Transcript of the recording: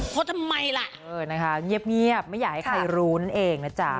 ทำไมล่ะนะคะเงียบไม่อยากให้ใครรู้นั่นเองนะจ๊ะ